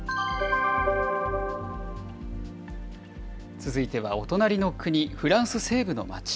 続いてはお隣の国、フランス西部の町。